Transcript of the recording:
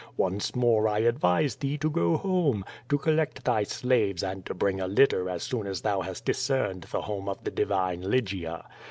Once more I advise thee to go home, to collect thy slaves and to bring a litter as soon as thou hast discerned the home of the divine Lygia.